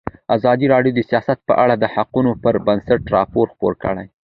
ازادي راډیو د سیاست په اړه د حقایقو پر بنسټ راپور خپور کړی.